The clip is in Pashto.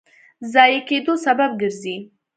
ضایع کېدو سبب ګرځي.